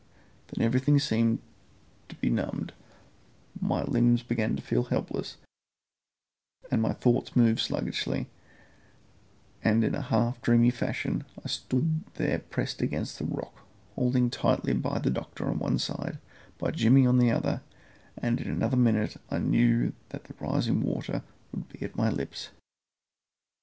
Then everything seemed to be numbed; my limbs began to feel helpless, and my thoughts moved sluggishly, and in a half dreamy fashion I stood there pressed against, the rock holding tightly by the doctor on one side, by Jimmy on the other, and in another minute I knew that the rising water would be at my lips.